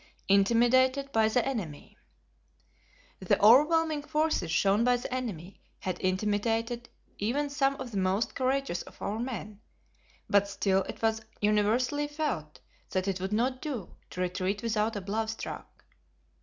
Intimidated by the Enemy. The overwhelming forces shown by the enemy had intimidated even some of the most courageous of our men, but still it was universally felt that it would not do to retreat without a blow struck.